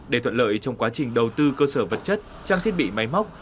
để thuận lợi trong quá trình đầu tư cơ sở vật chất trang thiết bị máy móc